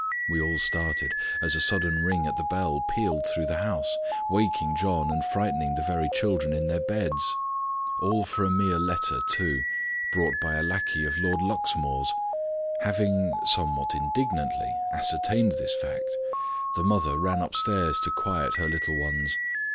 We all started, as a sudden ring at the bell pealed through the house, waking John, and frightening the very children in their beds. All for a mere letter too, brought by a lacquey of Lord Luxmore's. Having somewhat indignantly ascertained this fact, the mother ran upstairs to quiet her little ones.